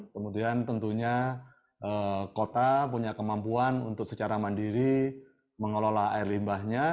kemudian tentunya kota punya kemampuan untuk secara mandiri mengelola air limbahnya